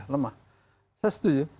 lemah saya setuju